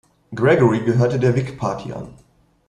Gregory gehörte der Whig Party an.